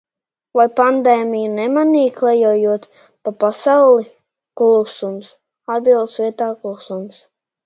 Vai pandēmiju nemanīji, klejojot pa pasauli? Klusums, atbildes vietā klusums.